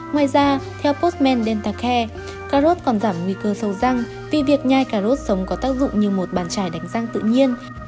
ngoài ra theo postman deltake carod còn giảm nguy cơ sâu răng vì việc nhai cà rốt sống có tác dụng như một bàn trải đánh răng tự nhiên